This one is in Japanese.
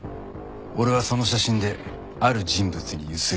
俺はその写真である人物にゆすりをかけた。